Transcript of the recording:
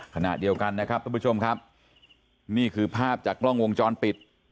ขณะเดียวกันนะครับทุกผู้ชมครับนี่คือภาพจากกล้องวงจรปิด